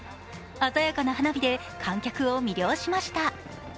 鮮やかな花火で観客を魅了しました。